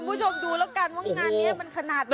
คุณผู้ชมดูแล้วกันว่างานนี้มันขนาดไหน